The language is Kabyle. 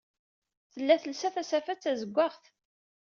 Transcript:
Tella telsa tasafa d tazewwaɣt.